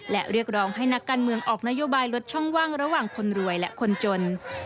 และเรียกร้องให้นักการเมืองออกนโยบายลดช่องว่างระหว่างคนรวยและคนจน